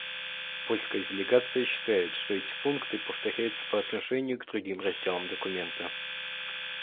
Польская делегация считает, что эти пункты повторяются по отношению к другим разделам документа.